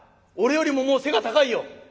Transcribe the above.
俺よりももう背が高いよ」。